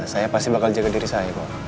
saya pasti bakal jaga diri saya